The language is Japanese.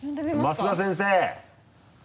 増田先生。